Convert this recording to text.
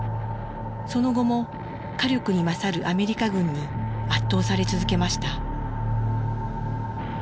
その後も火力に勝るアメリカ軍に圧倒され続けました。